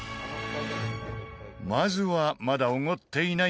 まずはまだおごっていない